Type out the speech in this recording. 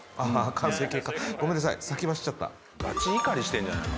完成形かごめんなさい先走っちゃったガチ怒りしてんじゃないの？